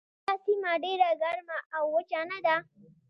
آیا دا سیمه ډیره ګرمه او وچه نه ده؟